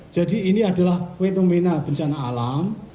jadi ini adalah fenomena bencana alam